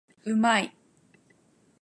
うまい